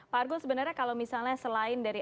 pak argo sebenarnya kalau misalnya selain dari